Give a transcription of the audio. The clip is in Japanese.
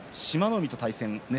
海と対戦。